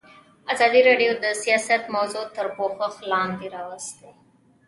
ازادي راډیو د سیاست موضوع تر پوښښ لاندې راوستې.